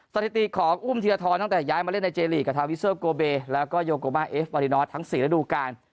สถิติของอุ้มธีรทรตั้งแต่ย้ายมาเล่นในเจลีกกับทาวิเซอร์โกเบแล้วก็โยโกมาเอฟวารินอสทั้ง๔ระดูการ